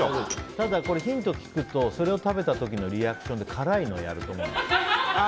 ただ、ヒントを聞くとそれを食べた時のリアクションで辛いのをやると思う。